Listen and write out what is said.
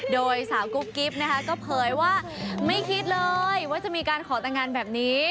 โดยสาวกุ๊กกิ๊บนะคะก็เผยว่าไม่คิดเลยว่าจะมีการขอแต่งงานแบบนี้